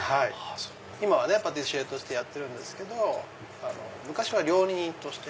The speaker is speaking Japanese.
今はねパティシエとしてやってるんですけど昔は料理人として。